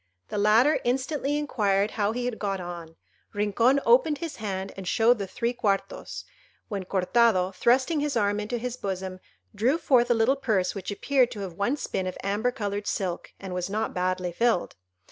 The latter instantly inquired how he had got on. Rincon opened his hand and showed the three quartos; when Cortado, thrusting his arm into his bosom, drew forth a little purse which appeared to have once been of amber coloured silk, and was not badly filled.